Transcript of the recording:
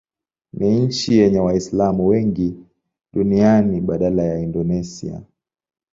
Ni nchi yenye Waislamu wengi duniani baada ya Indonesia.